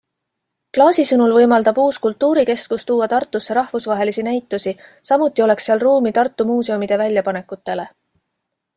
Klaasi sõnul võimaldab uus kultuurikeskus tuua Tartusse rahvusvahelisi näitusi, samuti oleks seal ruumi Tartu muuseumide väljapanekutele.